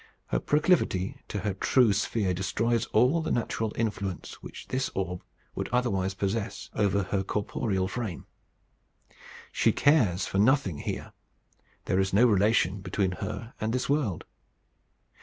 Her proclivity to her true sphere destroys all the natural influence which this orb would otherwise possess over her corporeal frame. She cares for nothing here. There is no relation between her and this world.